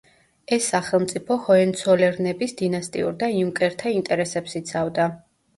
ეს სახელმწიფო ჰოენცოლერნების დინასტიურ და იუნკერთა ინტერესებს იცავდა.